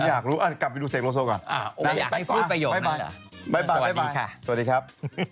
ผมอยากไปหยุดประโยชน์